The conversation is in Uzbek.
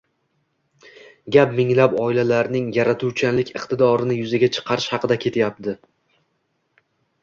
gap minglab oilalarning yaratuvchanlik iqtidorini yuzaga chiqarish haqida ketyapti.